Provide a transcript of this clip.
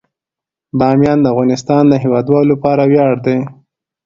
بامیان د افغانستان د هیوادوالو لپاره ویاړ دی.